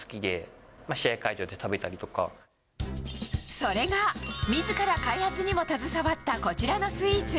それが自ら開発にも携わったこちらのスイーツ。